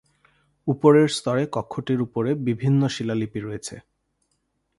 উপরের স্তরে কক্ষটির উপরে বিভিন্ন শিলালিপি রয়েছে।